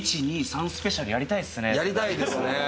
１２３スペシャルやりたいですね。